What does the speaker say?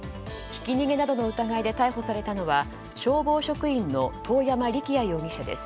ひき逃げなどの疑いで逮捕されたのは消防職員の當山力也容疑者です。